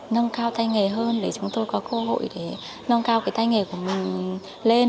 nâng cao tay nghề hơn để chúng tôi có cơ hội để nâng cao cái tay nghề của mình lên